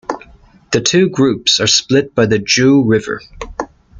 The two groups are split by the Jiu River.